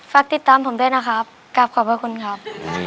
ฝากติดตามผมด้วยนะครับกลับขอบพระคุณครับ